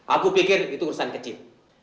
aku pikir itu urusan kecil